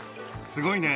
すごいね。